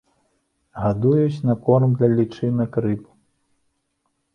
Гадуюць на корм для лічынак рыб.